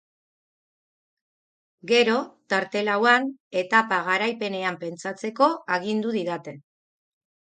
Gero, tarte lauan, etapa-garaipenean pentsatzeko agindu didate.